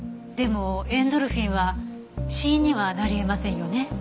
でもエンドルフィンは死因にはなり得ませんよね。